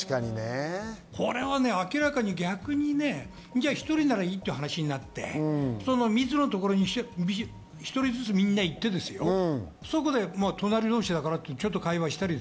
これは明らかに逆に１人ならいいっていう話になって、密のところに１人ずつみんな行ってですよ、隣同士だからって、ちょっと会話をしたり。